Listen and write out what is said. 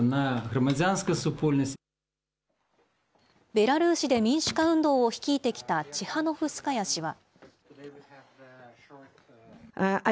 ベラルーシで民主化運動を率いてきたチハノフスカヤ氏は。